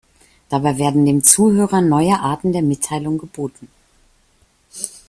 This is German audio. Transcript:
Dabei werden dem Zuhörer neue Arten der Mitteilung geboten.